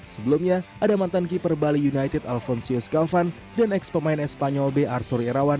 sebelumnya ada mantan keeper bali united alfonso escalvan dan ex pemain espanol b arthur irawan